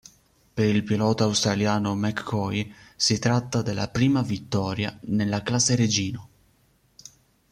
Per il pilota australiano McCoy si tratta della prima vittoria nella classe regina.